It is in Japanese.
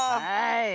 はい。